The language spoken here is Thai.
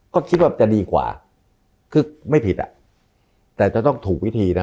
ก็คิดว่าจะดีกว่าคือไม่ผิดอ่ะแต่จะต้องถูกวิธีนะ